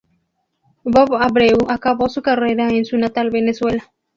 Bob Abreu acabó su carrera en su natal Venezuela.